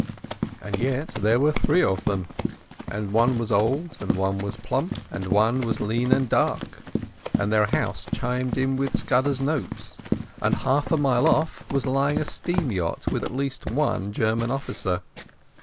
And yet there were three of them; and one was old, and one was plump, and one was lean and dark; and their house chimed in with Scudder's notes; and half a mile off was lying a steam yacht with at least one German officer.